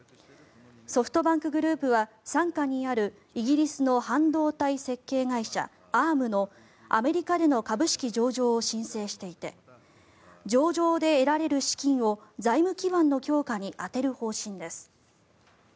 ソフトバンクグループは傘下にあるイギリスの半導体設計会社アームのアメリカでの株式上場を申請していて上場で得られる資金を財務基盤の強化に充てる方針です。